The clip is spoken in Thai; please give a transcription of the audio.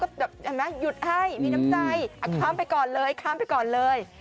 คืออยู่ในไซ่ข้ามไปก่อนเลย